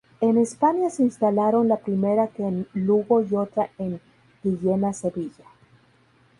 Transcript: En España se instalaron la primera que en Lugo y otra en Guillena Sevilla.